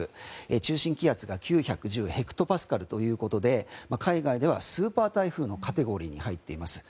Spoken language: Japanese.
中心気圧が９１０ヘクトパスカルということで海外ではスーパー台風のカテゴリーに入っています。